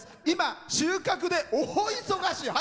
今収穫で大忙し。